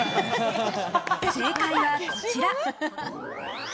正解はこちら！